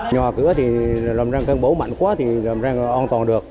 nhà cửa thì làm ra cân bố mạnh quá thì làm ra an toàn được